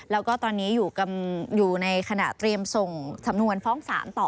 แล้วก็ตอนนี้อยู่ในขณะเตรียมส่งสำนวนฟอง๓ต่อไปนะคะ